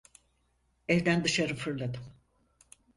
Evden dışarı fırladım.